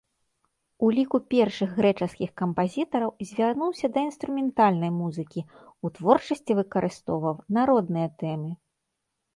У ліку першых грэчаскіх кампазітараў звярнуўся да інструментальнай музыкі, у творчасці выкарыстоўваў народныя тэмы.